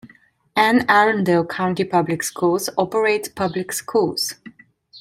Anne Arundel County Public Schools operates public schools.